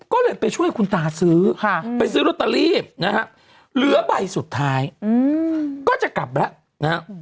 ก็เลยไปช่วยคุณตาซื้อไปซื้อลอตเตอรี่นะฮะเหลือใบสุดท้ายก็จะกลับแล้วนะฮะ